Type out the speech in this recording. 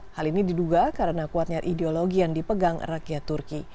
hal ini diduga karena kuatnya ideologi yang dipegang rakyat turki